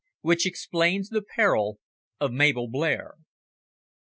WHICH EXPLAINS THE PERIL OF MABEL BLAIR.